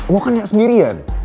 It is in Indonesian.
lo kan gak sendirian